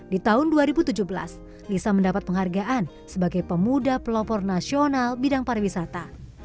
di tahun dua ribu tujuh belas lisa mendapat penghargaan sebagai pemuda pelopor nasional bidang pariwisata